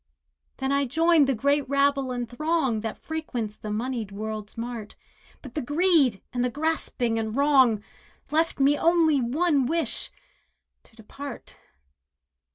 Then I joined the great rabble and throng That frequents the moneyed world's mart; But the greed, and the grasping and wrong, Left me only one wish—to depart.